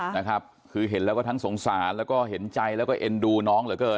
นะครับคือเห็นแล้วก็ทั้งสงสารแล้วก็เห็นใจแล้วก็เอ็นดูน้องเหลือเกิน